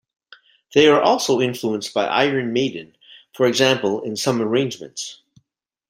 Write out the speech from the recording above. They are also influenced by Iron Maiden; for example, in some arrangements.